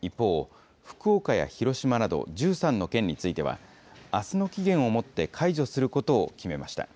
一方、福岡や広島など１３の県については、あすの期限をもって解除することを決めました。